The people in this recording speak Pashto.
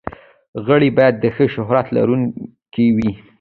غړي باید د ښه شهرت لرونکي وي.